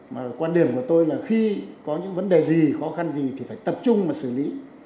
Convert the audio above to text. mà quan điểm của tôi là khi có những vấn đề gì khó khăn gì thì phải tập trung mà xử lý